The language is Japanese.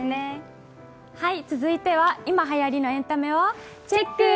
続いては、今はやりのエンタメをチェック！